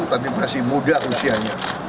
tapi masih muda usianya